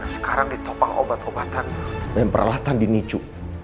sekarang ditopang obat obatan dan peralatan di niju